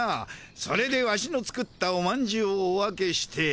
それでワシの作ったおまんじゅうをお分けして。